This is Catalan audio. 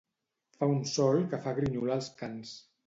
Fa un sol que fa grinyolar els cans.